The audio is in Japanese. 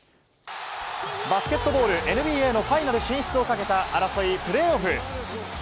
バスケットボールＮＢＡのファイナル進出をかけた争い、プレーオフ。